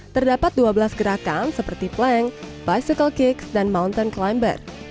terdapat dua belas gerakan seperti plank bicycle kicks dan mountain climber